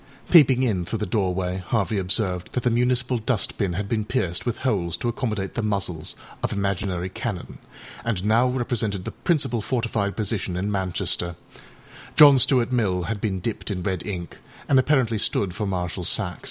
â Peeping in through the doorway Harvey observed that the municipal dust bin had been pierced with holes to accommodate the muzzles of imaginary cannon, and now represented the principal fortified position in Manchester; John Stuart Mill had been dipped in red ink, and apparently stood for Marshal Saxe.